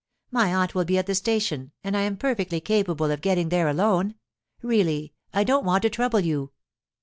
My aunt will be at the station, and I am perfectly capable of getting there alone. Really, I don't want to trouble you.